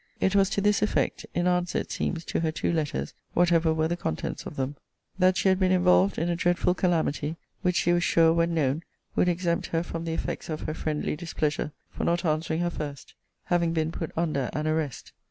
It was to this effect; in answer, it seems, to her two letters, whatever were the contents of them: 'That she had been involved in a dreadful calamity, which she was sure, when known, would exempt her from the effects of her friendly displeasure, for not answering her first; having been put under an arrest.